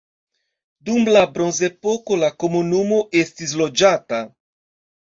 Dum la bronzepoko la komunumo estis loĝata.